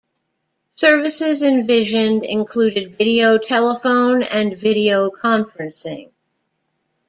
Services envisioned included video telephone and video conferencing.